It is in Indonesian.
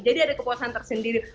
jadi ada kepuasan tersendiri